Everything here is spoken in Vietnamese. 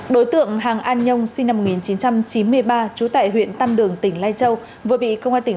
đối tượng hàng an nhông sinh năm một nghìn chín trăm chín mươi ba trú tại huyện tam đường tỉnh lai châu vừa bị công an tỉnh